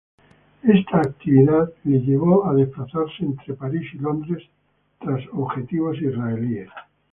Esta actividad le llevó a desplazarse entre París y Londres, tras objetivos israelíes.